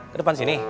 ke depan sini